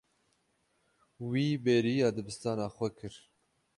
Wî bêriya dibistana xwe kir.